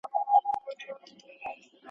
چا چي مځکه او اسمان دیوتاګان او بلاګاني